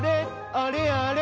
あれあれ？